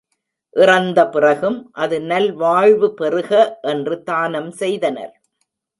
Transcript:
இறந்தபிறகும் அது நல் வாழ்வு பெறுக என்று தானம் செய்தனர்.